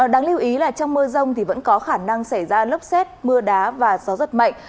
đáng lưu ý là trong mưa rông thì vẫn có khả năng xảy ra lốc xét mưa đá và gió rất mạnh